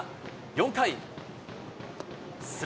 ４回。